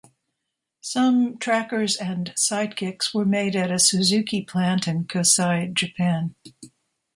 Some Trackers and Sidekicks were made at a Suzuki plant in Kosai, Japan.